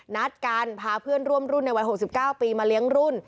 นัดกันพาเพื่อนร่วมรุ่นในวัย๖๙ปีมาเลี้ยงรุ่น